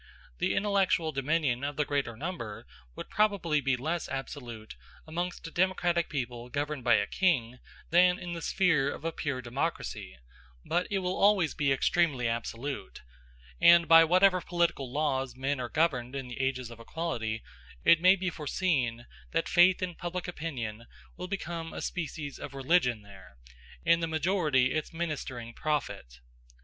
The intellectual dominion of the greater number would probably be less absolute amongst a democratic people governed by a king than in the sphere of a pure democracy, but it will always be extremely absolute; and by whatever political laws men are governed in the ages of equality, it may be foreseen that faith in public opinion will become a species of religion there, and the majority its ministering prophet.